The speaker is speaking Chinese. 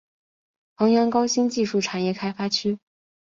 衡阳高新技术产业开发区